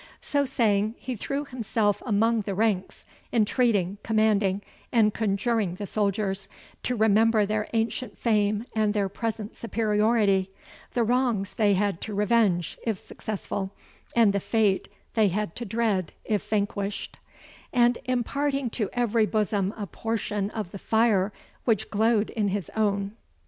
So saying, he threw himself among the ranks, entreating, commanding, and conjuring the soldiers, to remember their ancient fame and their present superiority; the wrongs they had to revenge, if successful, and the fate they had to dread, if vanquished; and imparting to every bosom a portion of the fire which glowed in his own.